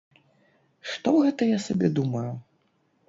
Што гэта я сабе думаю?